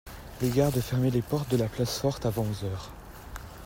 Les gardes fermaient les portes de la place forte avant onze heures.